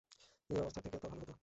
এই অবস্থার থেকে তো ভালো হতো।